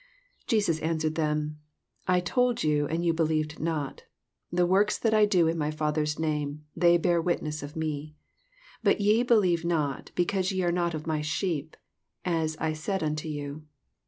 35 Jesus answered them, I told youy and you believed not: the works that I do in my Father's name, they bear wit ness of me. 26 But ye believe not, because ye are not of my sheep, as I said unto you.